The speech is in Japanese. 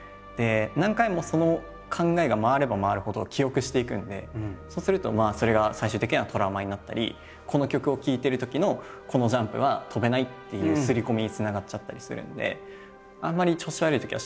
何回もその考えが回れば回るほど記憶していくんでそうするとそれが最終的にはトラウマになったりこの曲を聴いてるときのこのジャンプは跳べないっていう刷り込みにつながっちゃったりするんであんまり調子悪いときはしないです。